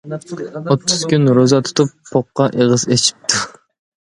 ئوتتۇز كۈن روزا تۇتۇپ، پوققا ئېغىز ئېچىپتۇ.